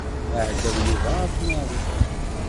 Iɛeggeḍ Yuba ɣef Mary.